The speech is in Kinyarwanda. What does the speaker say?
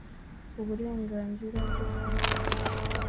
uburenganzira bwo kurya